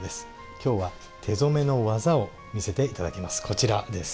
今日は手染めの技を見せて頂きます。